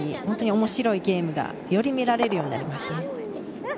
本当に面白いゲームがより見られるようになりましたね。